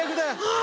あ！